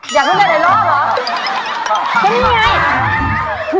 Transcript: อยากลุ้นหลายรอบเหรอ